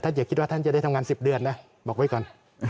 อย่าคิดว่าท่านจะได้ทำงาน๑๐เดือนนะบอกไว้ก่อน